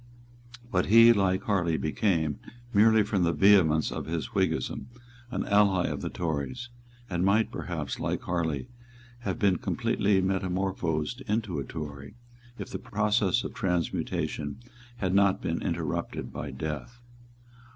But be, like Harley, became, merely from the vehemence of his Whiggism, an ally of the Tories, and might, perhaps, like Harley, have been completely metamorphosed into a Tory, if the process of transmutation had not been interrupted by death.